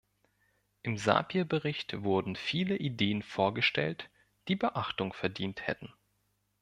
Im Sapir-Bericht wurden viele Ideen vorgestellt, die Beachtung verdient hätten.